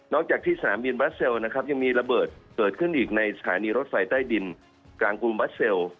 นอกจากที่เมียนบราเซลนะครับยังมีระเบิดเกิดขึ้นอีกในส่านีรถไฟใต้ดินกลางกรุ๖๑นะครับ